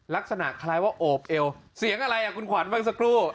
ลักษณะคล้ายว่าโอบเอวเสียงอะไรอ่ะคุณขวัญเมื่อสักครู่